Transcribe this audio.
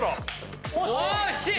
・惜しい！